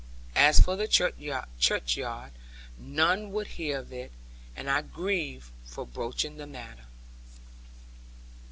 As for the churchyard, none would hear of it; and I grieved for broaching the matter.